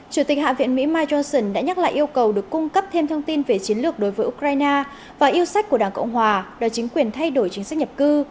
chủ tịch hạ viện mỹ mike johnson đã nhắc lại yêu cầu được cung cấp thêm thông tin về chiến lược đối với ukraine và yêu sách của đảng cộng hòa đòi chính quyền thay đổi chính sách nhập cư